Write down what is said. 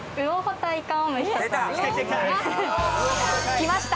来ました